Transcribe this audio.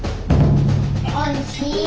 おいしい。